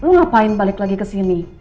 terus lo ngapain balik lagi kesini